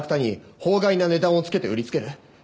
法外な値段をつけて売り付ける。